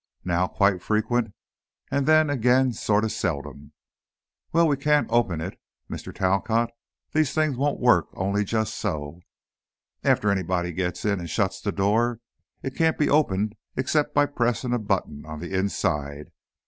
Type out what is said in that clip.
Now, quite frequent, and then, again, sort of seldom. Well, we can't open it, Mr. Talcott. These things won't work, only just so. After anybody gets in, and shuts the door, it can't be opened except by pressing a button on the inside.